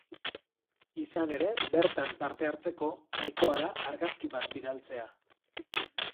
Izan ere, bertan parte hartzeko, nahikoa da argazki bat bidaltzea.